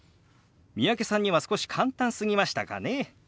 三宅さんには少し簡単すぎましたかね？